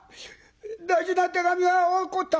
大事な手紙が落っこった！